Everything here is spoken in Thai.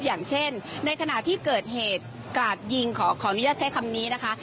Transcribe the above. อย่างเช่นในขณะที่เกิดเหตุกราดยิงขออนุญาตใช้คำนี้นะคะ